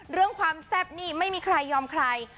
เรื่องความแซ่บนี่ไม่มีใครยอมใคร